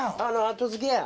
後付けや。